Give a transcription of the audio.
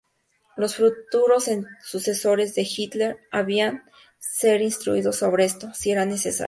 Los futuros sucesores de Hitler debían ser instruidos sobre esto, si era necesario.